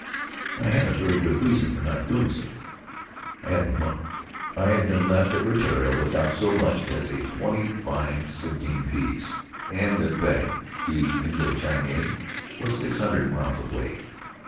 I had a very good reason for not doing so — I had no money. I had been left at Rutiaro without so much as a twenty five centime piece, and the Banque de lTndo Chine was six hundred miles away.